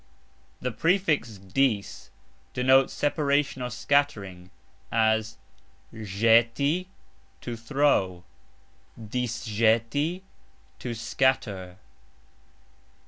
The prefix "dis " denotes separation or scattering, as "Jxeti", to throw; "disjxeti", to scatter.